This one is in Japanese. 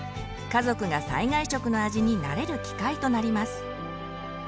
家族が災害食の味に慣れる機会となります。